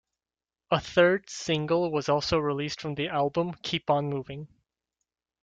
A third single was also released from the album, "Keep on Moving".